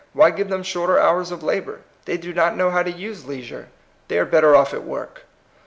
Why give them shorter hours of labor? They do not know how to use leisure. They are better off at work."